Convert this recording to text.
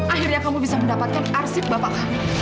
akhirnya kamu bisa mendapatkan arsip bapak